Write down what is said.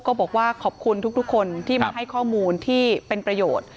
ก็บอกว่าขอบคุณทุกคนที่มาให้ข้อมูลที่เป็นประโยชน์